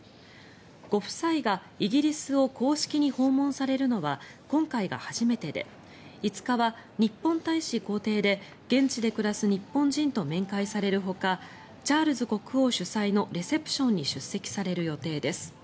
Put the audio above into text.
ご夫妻がイギリスを公式に訪問されるのは今回が初めてで５日は日本大使公邸で現地で暮らす日本人と面会されるほかチャールズ国王主催のレセプションに出席される予定です。